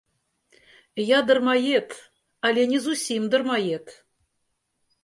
Я дармаед, але не зусім дармаед.